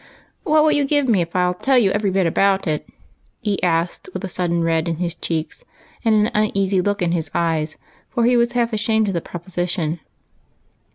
" What will you give me if I '11 tell you every bit about it?" he asked, with a sudden red in his cheeks, and an uneasy look in his eyes, for he was half ashamed of the proposition.